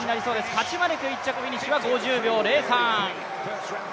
カチュマレク１着フィニッシュ、５０秒０３。